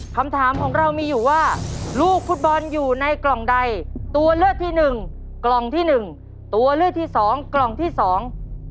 คำถามของเรามีอยู่ว่าลูกฟุตบอลอยู่ในกล่องใดตัวเลือกที่หนึ่งกล่องที่หนึ่งตัวเลือกที่สองกล่องที่สอง